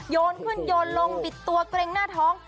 โยนขึ้นโยนลงบิดตัวเกร็งหน้าท้อง